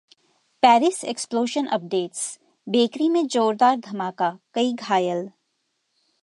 Paris explosion updates: bakery में जोरदार धमाका, कई घायल